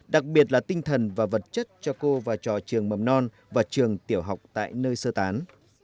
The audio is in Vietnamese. đặc biệt là tinh thần và vật chất cho cô và trò trường mầm non và trường tiểu học tại nơi sơ tán